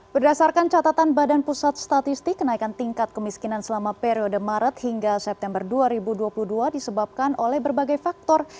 berdasarkan catatan badan pusat statistik kenaikan tingkat kemiskinan selama periode maret hingga september dua ribu dua puluh dua disebabkan oleh berbagai faktor